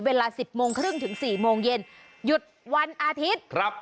เวลา๑๐โมงครึ่งถึง๔โมงเย็นหยุดวันอาทิตย์ครับ